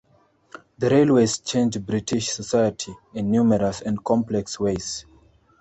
The railways changed British society in numerous and complex ways.